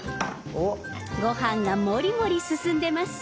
ご飯がもりもり進んでます。